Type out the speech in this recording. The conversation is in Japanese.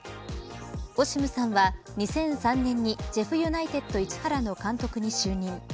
オシムさんは２００３年にジェフユナイテッド市原の監督に就任。